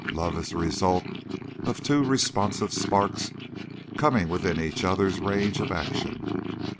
Love is the result of two responsive sparks coming within each other's range of action.